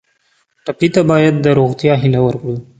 ټپي ته باید د روغتیا هیله ورکړو.